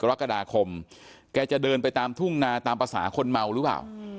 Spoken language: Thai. กรกฎาคมแกจะเดินไปตามทุ่งนาตามภาษาคนเมาหรือเปล่า